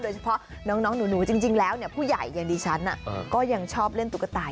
โดยเฉพาะน้องหนูจริงแล้วผู้ใหญ่อย่างดิฉันก็ยังชอบเล่นตุ๊กตา